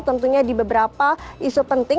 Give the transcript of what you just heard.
tentunya di beberapa isu penting